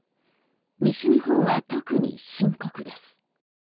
西日本は特に深刻です。